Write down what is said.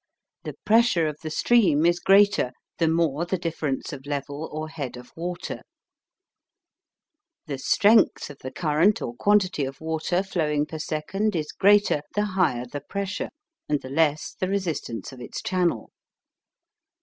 The pressure of the stream is greater the more the difference of level or "head of water" The strength of the current or quantity of water flowing per second is greater the higher the pressure, and the less the resistance of its channel.